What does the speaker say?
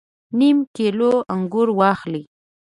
نیم کیلو انګور واخلئ